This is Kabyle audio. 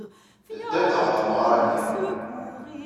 Ddant ɣer tmeɣra-nni.